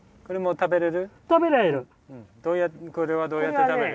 食べられる。